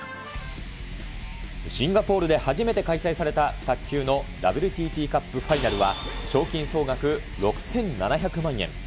シンガポールで初めて開催された卓球のＷＴＴカップファイナルは、賞金総額６７００万円。